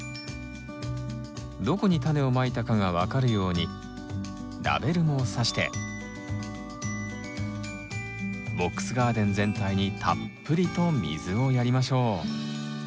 どこにタネをまいたかが分かるようにラベルもさしてボックスガーデン全体にたっぷりと水をやりましょう。